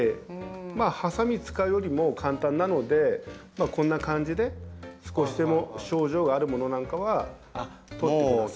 はさみ使うよりも簡単なのでこんな感じで少しでも症状があるものなんかは取ってください。